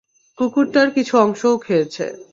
কুকুরটার কিছু অংশও খেয়েছে।